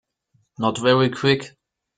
Not very Quick.